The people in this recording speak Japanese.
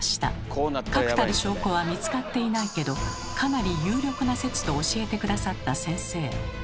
確たる証拠は見つかっていないけどかなり有力な説と教えて下さった先生。